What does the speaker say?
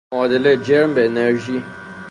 معادله جرم به انرژی